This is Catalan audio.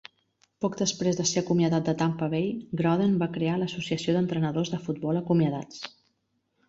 Poc després de ser acomiadat de Tampa Bay, Gruden va crear l'Associació d'Entrenadors de Futbol Acomiadats.